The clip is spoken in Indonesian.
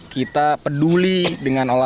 kita peduli dengan olahraga